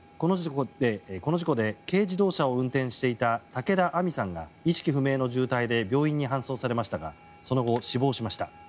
この事故で、軽自動車を運転していた武田杏美さんが意識不明の重体で病院に搬送されましたがその後、死亡しました。